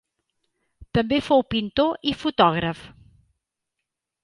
També fou pintor i fotògraf.